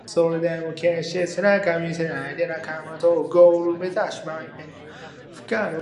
Instead, parties to the relevant account agreement are able to choose the applicable law.